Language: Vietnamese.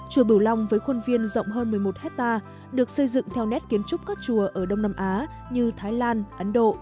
chùa bửu long với khuôn viên rộng hơn một mươi một hectare được xây dựng theo nét kiến trúc các chùa ở đông nam á như thái lan ấn độ